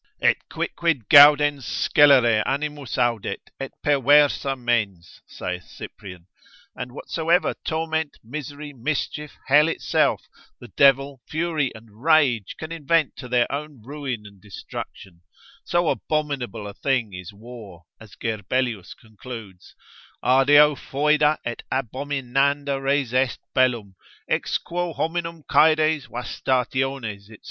Et quicquid gaudens scelere animus audet, et perversa mens, saith Cyprian, and whatsoever torment, misery, mischief, hell itself, the devil, fury and rage can invent to their own ruin and destruction; so abominable a thing is war, as Gerbelius concludes, adeo foeda et abominanda res est bellum, ex quo hominum caedes, vastationes, &c.